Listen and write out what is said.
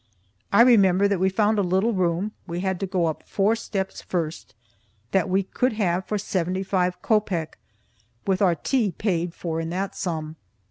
I remember that we found a little room (we had to go up four steps first) that we could have for seventy five copecks, with our tea paid for in that sum.